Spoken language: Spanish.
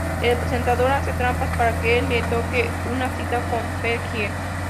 El presentador hace trampas para que a el le toque una cita con Fergie.